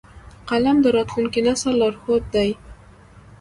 قلم د راتلونکي نسل لارښود دی